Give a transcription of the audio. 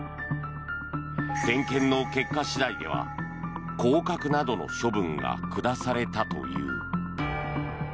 点検の結果次第では、降格などの処分が下されたという。